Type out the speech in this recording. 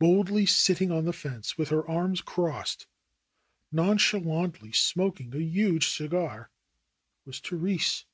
Boldly sitting on the fence with her arms crossed, non chalantly smoking a huge cigar was Therese